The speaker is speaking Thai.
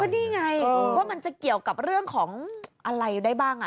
นี่ไงว่ามันจะเกี่ยวกับเรื่องของอะไรได้บ้าง